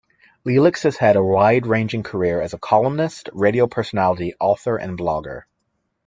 Lileks has had a wide-ranging career as a columnist, radio personality, author, and blogger.